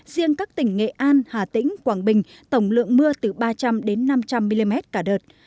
riêng các tỉnh nghệ an hà tĩnh quảng bình tổng lượng mưa từ ba trăm linh đến năm trăm linh mm cả đợt